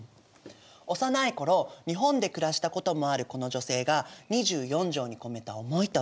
幼い頃日本で暮らしたこともあるこの女性が２４条に込めた思いとは。